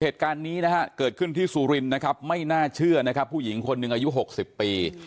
เเกิดขึ้นที่สุรินทร์ไม่น่าเชื่อผู้หญิงอายุ๖๐ปี